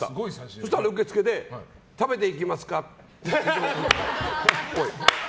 そうしたら受付で食べていきますか？